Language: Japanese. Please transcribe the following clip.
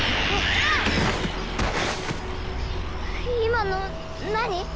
う今の何？